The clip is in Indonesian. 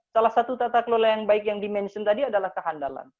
salah satu tata kelola yang baik yang dimention tadi adalah kehandalan